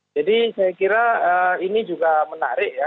jadi saya kira ini juga menarik ya